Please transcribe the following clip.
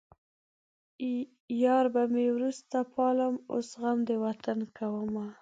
يار به مې وروسته پالم اوس غم د وطن کومه